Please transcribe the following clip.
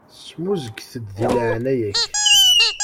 Smuzget-d di leɛnaya-k.